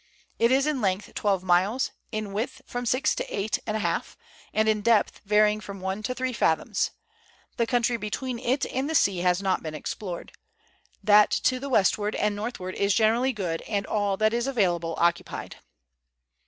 It is in length twelve miles; in width from six to eight and a half; and in depth, varying from one to three fathoms. The country between it and the sea has not been explored. That to the westward and northward is generally good, and all that is available occupied.